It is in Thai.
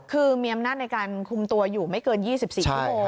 คือมีอำนาจในการคุมตัวอยู่ไม่เกิน๒๔ชั่วโมง